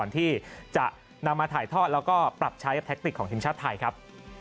ที่จะนำมาถ่ายทอดแล้วก็ปรับใช้แทคติกของทีมชาติไทยครับ